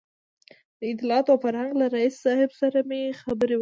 د اطلاعاتو او فرهنګ له رییس صاحب سره مې خبرې وکړې.